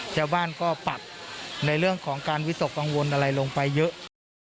ชาวบ้านก็ปรับในเรื่องของการวิตกกังวลอะไรลงไปเยอะ